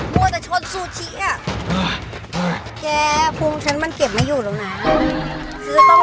มันจะชนซูชิอ่ะแกพุงฉันมันเก็บไม่อยู่แล้วน่ะคือต้อง